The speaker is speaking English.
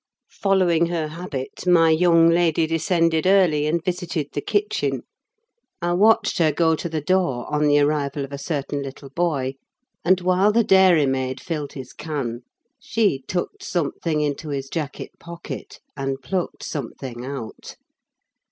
Following her habit, my young lady descended early, and visited the kitchen: I watched her go to the door, on the arrival of a certain little boy; and, while the dairymaid filled his can, she tucked something into his jacket pocket, and plucked something out.